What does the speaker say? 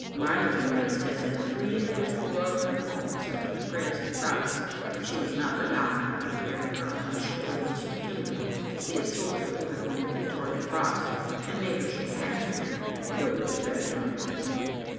My little maid says that three in every four of my poems are to the praise of prow ess, and she has not forgotten how I carried her on my shoulder once to Tilliedrum to see a soldier who had won the Victoria Cross, and made her shake hands with him, though he was very drunk.